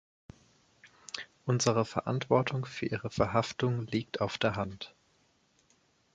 Unsere Verantwortung für ihre Verhaftung liegt auf der Hand.